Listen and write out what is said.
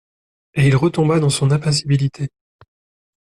Et il retomba dans son impassibilité.